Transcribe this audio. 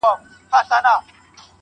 سر مي بلند دی.